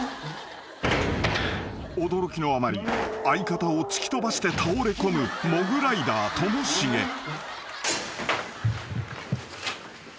［驚きのあまり相方を突き飛ばして倒れこむモグライダーともしげ］